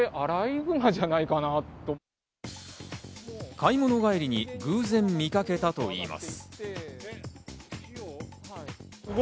買い物帰りに偶然、見かけたといいます。